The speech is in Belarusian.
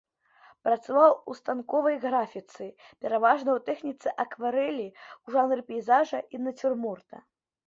Працаваў у станковай графіцы пераважна ў тэхніцы акварэлі ў жанры пейзажа і нацюрморта.